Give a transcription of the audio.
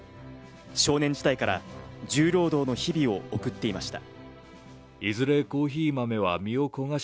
少年時代から重労働の日々を送っていました。